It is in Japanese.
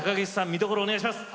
見どころお願いします。